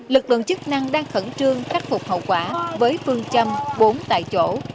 lực lượng chức năng đang khẩn trương khắc phục hậu quả với phương châm bốn tại chỗ